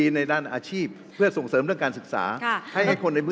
อย่างที่ผมบอกนะครับ